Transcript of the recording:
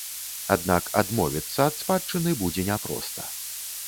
Аднак адмовіцца ад спадчыны будзе няпроста.